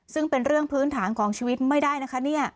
ซึ่งเป็นเรื่องพื้นฐานของชีวิตไม่ได้นะคะ